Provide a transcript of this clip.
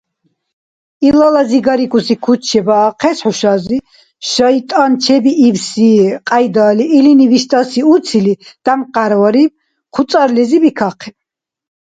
Илала зигарикӀуси куц чебаахъес хӀушази, шайтӀан чебиибси кьяйдали, илини виштӀаси уцили тямхъярвариб, хъуцӀарлизи бикахъиб.